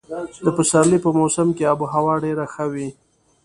د پسرلي په موسم کې اب هوا ډېره ښه وي.